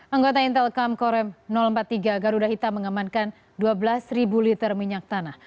anggota intelcam korem empat puluh tiga garuda hitam mengamankan dua belas liter minyak tanah